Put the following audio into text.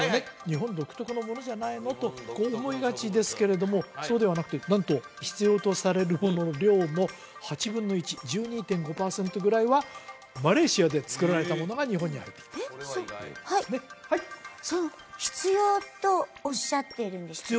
日本独特のものじゃないのとこう思いがちですけれどもそうではなくてなんと必要とされるものの量の８分の１１２．５パーセントぐらいはマレーシアで作られたものが日本に入ってきてるえっはいはいその必要とおっしゃってるんでした？